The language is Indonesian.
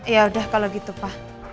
ya udah kalau gitu pak